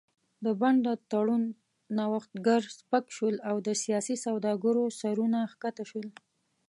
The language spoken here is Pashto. د بن د تړون نوښتګر سپک شول او د سیاسي سوداګرو سرونه ښکته شول.